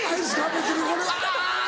別にこれは「あぁ」。